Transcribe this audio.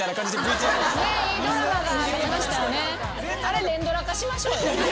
あれ連ドラ化しましょうよ。